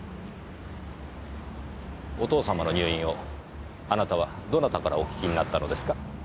お父様の入院をあなたはどなたからお聞きになったのですか？